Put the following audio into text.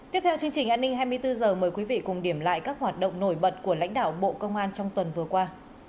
tiếp theo chương trình an ninh hai mươi bốn h mời quý vị cùng điểm lại các hoạt động nổi bật của lãnh đạo bộ công an trong tuần vừa qua